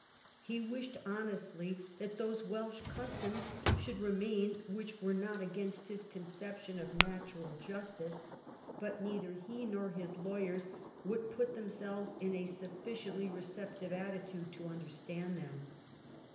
He wished honestly enough that those Welsh customs should re main which were not against his conception of natural justice, but neither he nor his lawyers would put themselves in a sufficiently receptive attitude to under stand them.